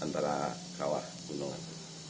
antara kawah gunungan